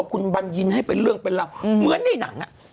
คุณบัญญินให้เป็นเรื่องเป็นเรา